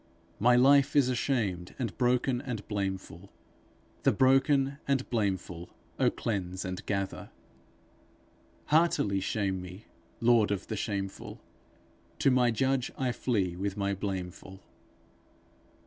My life is ashamed and broken and blameful The broken and blameful, oh, cleanse and gather! Heartily shame me, Lord, of the shameful! To my judge I flee with my blameful.